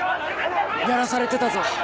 やらされてたぞ。